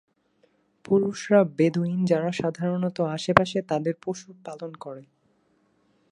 পুরুষরা বেদুইন, যারা সাধারণত আশেপাশে তাদের পশু পালন করে।